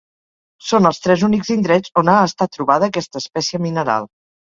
Són els tres únics indrets on ha estat trobada aquesta espècie mineral.